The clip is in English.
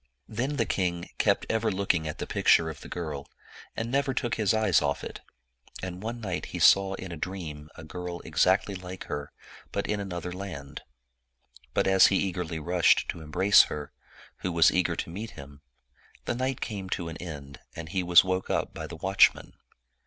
Then the king kept ever looking at the picture of the girl, and never took his eyes oif it, and one night he saw in a 156 A Man hating Maiden dream a girl exactly like her, but in another land. But as he eagerly rushed to embrace her, who was eager to meet him, the night came to an end, and he was woke up by the watchman.